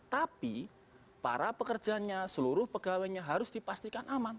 tapi para pekerjanya seluruh pegawainya harus dipastikan aman